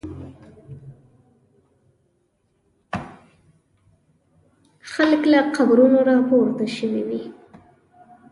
خلک له قبرونو را پورته شوي وي.